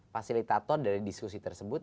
fasilitator dari diskusi tersebut